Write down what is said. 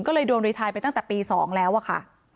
ก็เลยโดนรีไทยไปตั้งแต่ปี๒แล้วอะค่ะ